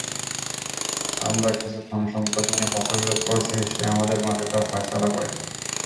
আমরা কিছু ধনসম্পদ নিয়ে মতবিরোধ করছি সে আমাদের মাঝে তার ফয়সালা করে দিবে।